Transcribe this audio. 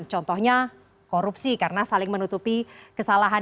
contohnya korupsi karena saling menutupi kesalahan